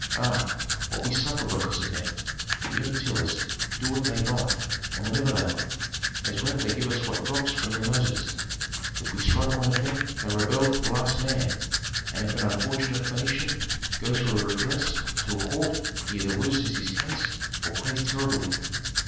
Ah, what we suffer because of them. The earth tillers do what they like and whenever they like. As rent they give us what drops from their noses. If we strike one of them they rebel to the last man, and if an unfortunate Phœnician goes for redress to a court he either loses his case or pays terribly.